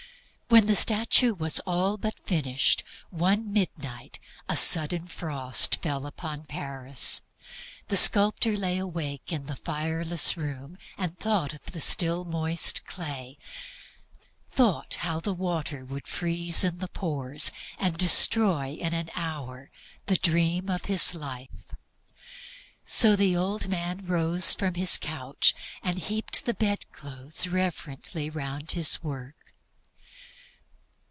When the statue was all but finished, one midnight a sudden frost fell upon Paris. The sculptor lay awake in the fireless room and thought of the still moist clay, thought how the water would freeze in the pores and destroy in an hour the dream of his life. So the old man rose from his couch and heaped the bed clothes reverently round his work.